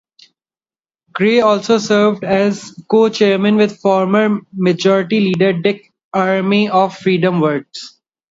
Gray also served as Co-chairman with former majority leader Dick Armey of FreedomWorks.